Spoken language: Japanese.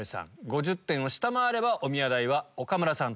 ５０点を下回ればおみや代は岡村さん。